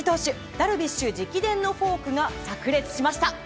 ダルビッシュ直伝のフォークが炸裂しました。